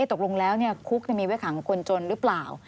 ตกลงแล้วคุกมีไว้ขังคนจนหรือเปล่า